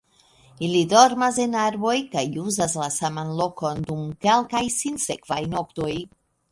Ili dormas en arboj kaj uzas la saman lokon dum kelkaj sinsekvaj noktoj.